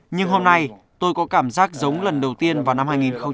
nhưng hôm nay tôi có cảm giác giống lần đầu tiên vào năm hai nghìn tám